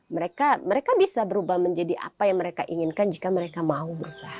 mereka bisa berubah menjadi apa yang mereka inginkan jika mereka mau berusaha